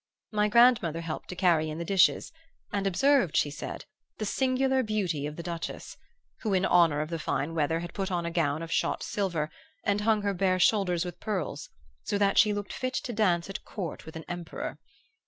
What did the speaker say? My grandmother helped to carry in the dishes, and observed, she said, the singular beauty of the Duchess, who in honor of the fine weather had put on a gown of shot silver and hung her bare shoulders with pearls, so that she looked fit to dance at court with an emperor.